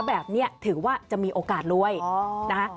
แบบนี้ถือว่าจะมีโอกาสรวยนะคะ